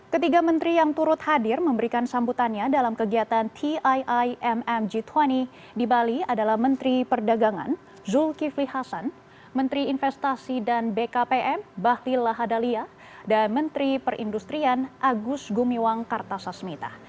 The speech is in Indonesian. ketiga menteri yang turut hadir memberikan sambutannya dalam kegiatan tiimm g dua puluh di bali adalah menteri perdagangan zulkifli hasan menteri investasi dan bkpm bahlil lahadalia dan menteri perindustrian agus gumiwang kartasasmita